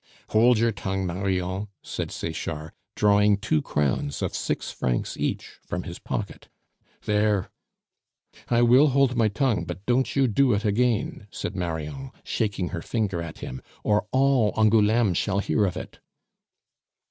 "Hold your tongue, Marion," said Sechard, drawing two crowns of six francs each from his pocket. "There " "I will hold my tongue, but don't you do it again," said Marion, shaking her finger at him, "or all Angouleme shall hear of it."